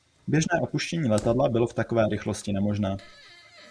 Běžné opuštění letadla bylo v takové rychlosti nemožné.